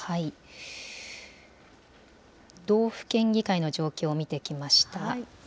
道府県議会の状況を見てきました。